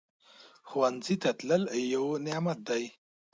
ښوونځی ته تلل یو نعمت دی